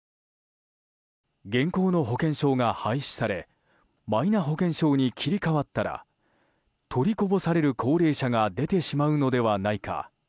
現行の保険証が廃止されマイナ保険証に切り替わったら取りこぼされる高齢者が出てしまうのではないか。